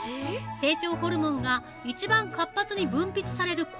成長ホルモンが、一番活発に分泌される